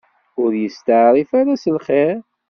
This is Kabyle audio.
Ur yesteɛṛif ara s lxir.